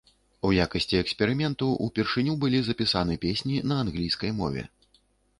У якасці эксперыменту ўпершыню былі запісаны песні на англійскай мове.